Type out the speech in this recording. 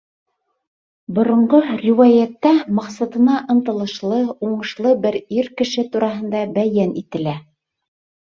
Боронғо риүәйәттә маҡсатына ынтылышлы, уңышлы бер ир кеше тураһында бәйән ителә.